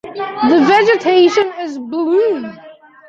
The vegetation is blue.